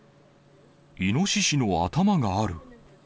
イノシシの頭がある。